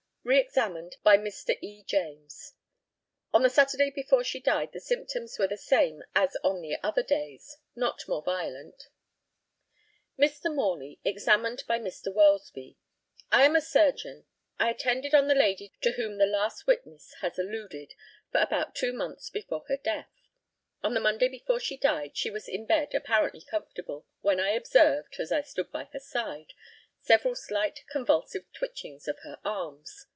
Re examined by Mr. E. JAMES: On the Saturday before she died the symptoms were the same as on the other days not more violent. Mr. MORLEY, examined by Mr. WELSBY: I am a surgeon. I attended on the lady to whom the last witness has alluded for about two months before her death. On the Monday before she died she was in bed apparently comfortable, when I observed (as I stood by her side) several slight convulsive twitchings of her arms.